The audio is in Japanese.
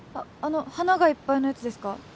あの花がいっぱいのやつですか？